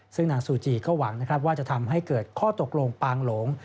ซึ่งนางซูจีก็หวังนะครับว่าจะทำให้เกิดข้อตกลงปางหลง